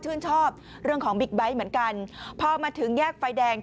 ชอบเรื่องของบิ๊กไบท์เหมือนกันพอมาถึงแยกไฟแดง